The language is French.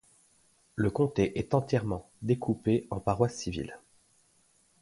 Le comté est entièrement découpé en paroisses civiles.